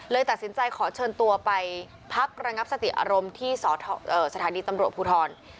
ตัดสินใจขอเชิญตัวไปพักระงับสติอารมณ์ที่สถานีตำรวจภูทร